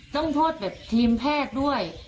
ต้องโทษแบบทีมแพทย์ด้วย